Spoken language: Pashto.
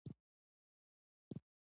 علمي مرکزونه باید پیاوړي شي.